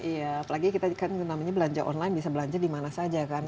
iya apalagi kita kan namanya belanja online bisa belanja di mana saja kan